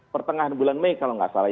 pertengahan bulan mei kalau nggak salah